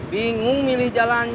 bingung milih jalan